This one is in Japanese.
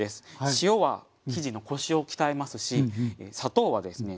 塩は生地のコシを鍛えますし砂糖はですね